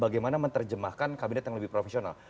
bagaimana menerjemahkan kabinet yang lebih profesional